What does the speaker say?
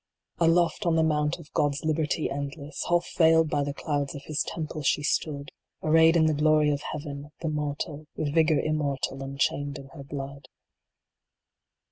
Aloft on the mount of God s liberty endless, Half veiled by the clouds of His temple she stood, Arrayed in the glory of Heaven, the mortal, With vigor Immortal unchained in her blood.